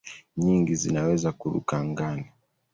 Nyingi zinaweza kuruka angani.